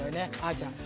あちゃん。